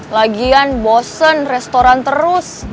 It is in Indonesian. lagian bosen restoran terus